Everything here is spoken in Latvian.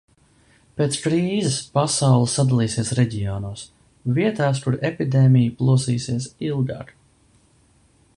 Pēc krīzes pasaule sadalīsies reģionos – vietās, kur epidēmija plosīsies ilgāk.